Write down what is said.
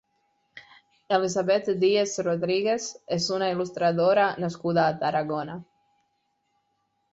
Elisabet Díez Rodríguez és una il·lustradora nascuda a Tarragona.